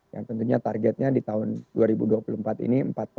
yang tentunya targetnya di tahun dua ribu dua puluh empat ini